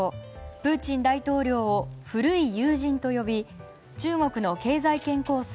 プーチン大統領を古い友人と呼び中国の経済圏構想